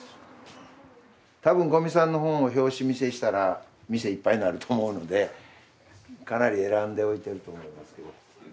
多分五味さんの本を表紙見せしたら店いっぱいになると思うのでかなり選んで置いてると思いますよ。